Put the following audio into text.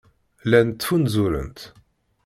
Llant ttfunzurent.